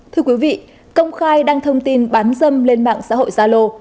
thưa quý vị công khai đăng thông tin bán dâm lên mạng xã hội zalo